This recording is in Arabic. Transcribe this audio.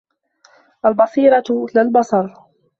البصيرة.. لا البصر.